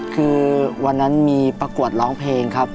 คือวันนั้นมีประกวดร้องเพลงครับ